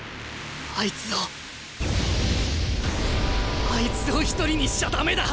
あいつをあいつを一人にしちゃ駄目だ。